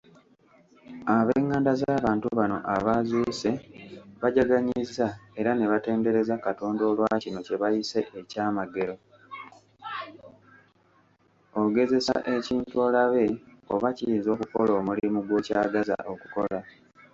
Ogezesa ekintu olabe oba kiyinza okukola omulimu gw'okyagaza okukola.